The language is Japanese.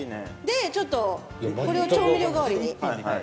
でちょっとこれを調味料代わりに。